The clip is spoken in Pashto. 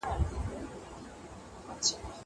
زه پرون اوبه پاکوم.